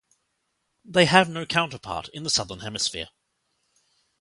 They have no counterpart in the southern hemisphere.